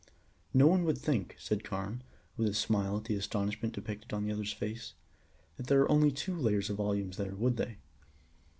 "No one would think," said Carne, with a smile at the astonishment depicted on the other's face, "that there are only two layers of volumes there, would they?